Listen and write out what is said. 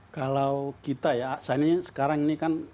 kalau kita ya saya ini sekarang ini kan